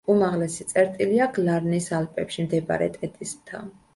უმაღლესი წერტილია გლარნის ალპებში მდებარე ტედის მთა.